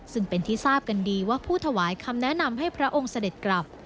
ซึ่งเป็นที่ทราบกันดีว่าผู้ถวายคำแนะนำให้พระองค์เสด็จกลับ